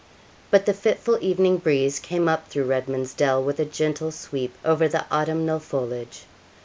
But the fitful evening breeze came up through Redman's Dell, with a gentle sweep over the autumnal foliage.